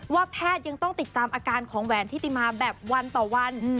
แพทย์ยังต้องติดตามอาการของแหวนทิติมาแบบวันต่อวัน